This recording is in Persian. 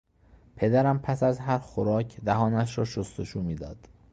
پدرم پس از هر خوراک دهانش را شستشو میداد.